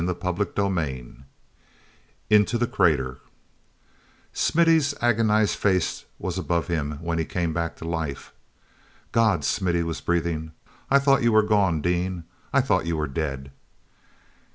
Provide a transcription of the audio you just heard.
CHAPTER VI Into the Crater mithy's agonized face was above him when he came back to life. "God!" Smithy was breathing. "I thought you were gone, Dean! I thought you were dead!"